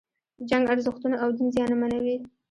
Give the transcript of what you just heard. جنگ ارزښتونه او دین زیانمنوي.